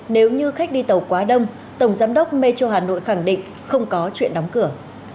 nếu như khách đi tàu quá đông tổng giám đốc metro hà nội khẳng định không có chuyện đóng cửa